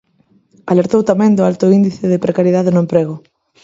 Alertou tamén do alto índice de precariedade no emprego.